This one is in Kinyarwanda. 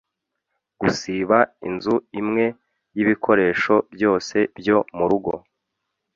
Gusiba inzu imwe yibikoresho byose byo murugo